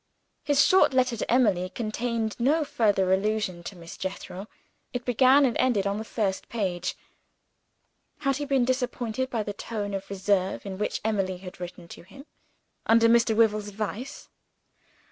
His short letter to Emily contained no further allusion to Miss Jethro; it began and ended on the first page. Had he been disappointed by the tone of reserve in which Emily had written to him, under Mr. Wyvil's advice?